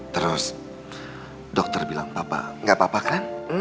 terus dokter bilang bapak gak apa apa kan